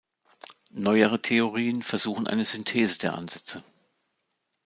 Neuere Theorien versuchen eine Synthese der Ansätze.